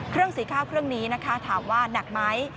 เครื่องสีข้าวเครื่องนี้นะคะถามว่าหนักไหม